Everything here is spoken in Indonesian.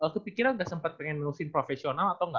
kepikiran udah sempet pengen lulusin profesional atau engga